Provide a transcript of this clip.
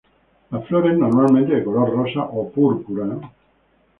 Las flores, normalmente de color rosa o púrpura.